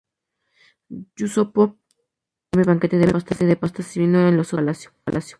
Yusúpov hizo un enorme banquete de pastas y vino en los sótanos del palacio.